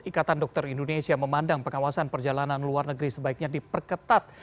ikatan dokter indonesia memandang pengawasan perjalanan luar negeri sebaiknya diperketat